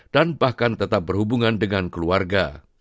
dan bahkan tetap berhubungan dengan keluarga